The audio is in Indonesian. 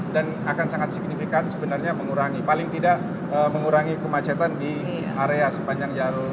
dan akan sangat signifikan sebenarnya mengurangi paling tidak mengurangi kemacetan di area sepanjang jalur